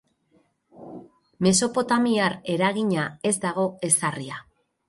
Mesopotamiar eragina, ez dago ezarria.